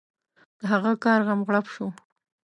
د هغه کار غم غړپ شو.